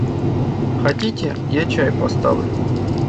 Хотите, я чай поставлю.